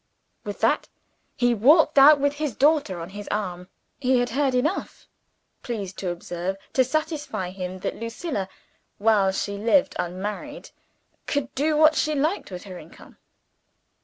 With that, he walked out, with his daughter on his arm. He had heard enough, please to observe, to satisfy him that Lucilla (while she lived unmarried) could do what she liked with her income.